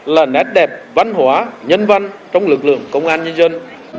là nét đẹp văn hóa nhân văn trong lực lượng công an nhân dân